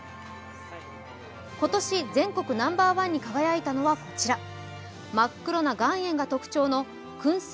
今年、全国ナンバーワンに輝いたのは、こちら、真っ黒な岩塩が特徴の燻製